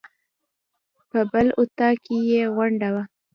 په بل اطاق کې یې غونډه وه.